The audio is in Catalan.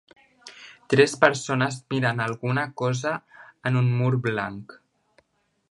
Tres persones miren a alguna cosa en un mur blanc.